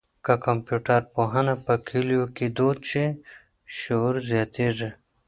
که کمپيوټر پوهنه په کلیو کي دود شي، شعور زیاتېږي.